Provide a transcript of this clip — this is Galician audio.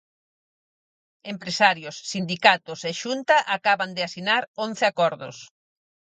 Empresarios, sindicatos e Xunta acaban de asinar once acordos.